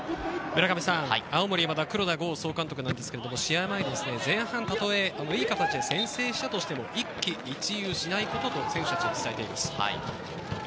青森山田・黒田剛総監督、試合前に前半いい形で先制したとしても、一喜一憂しないことと選手たちに伝えています。